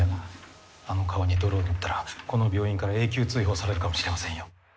あの顔に泥を塗ったらこの病院から永久追放されるかもしれませんよ。